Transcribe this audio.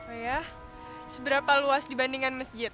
oh ya seberapa luas dibandingkan masjid